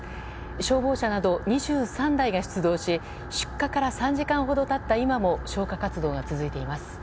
消防車など２３台が出動し出火から３時間ほど経った今も消火活動が続いています。